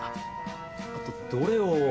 あとどれを？